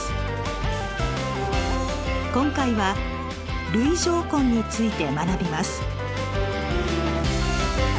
今回は「累乗根」について学びます。